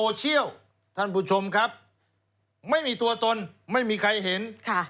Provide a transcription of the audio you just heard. พลังโซเชียลท่านผู้ชมครับไม่มีตัวตนไม่มีใครเห็น